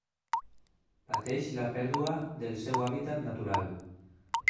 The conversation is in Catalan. Pateix la pèrdua del seu hàbitat natural.